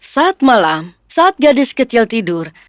saat malam saat gadis kecil tidur